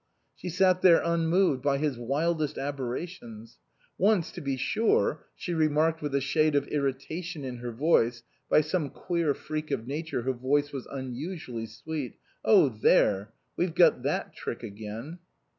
She sat there unmoved by his wildest aberra tions. Once, to be sure, she remarked with a shade of irritation in her voice (by some queer freak of nature her voice was unusually sweet), "Oh, there ! We've got that trick again!"